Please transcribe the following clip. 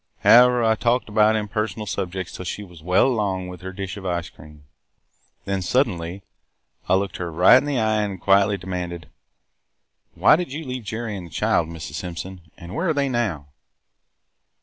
However, I talked about impersonal subjects till she was well along with her dish of cream. Then, suddenly, I looked her right in the eye and quietly demanded, 'Why did you leave Jerry and the child, Mrs. Simpson, and where are they now?'